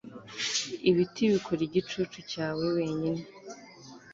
ibiti bikora igicucu cyawe wenyine